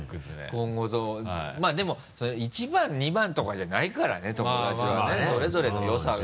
今後ともまぁでも一番二番とかじゃないからね友達はねそれぞれの良さが。